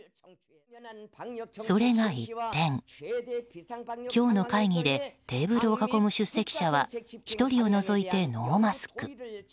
それが一転、今日の会議でテーブルを囲む出席者は１人を除いてノーマスク。